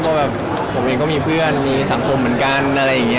ก็แบบผมเองก็มีเพื่อนมีสังคมเหมือนกันอะไรอย่างนี้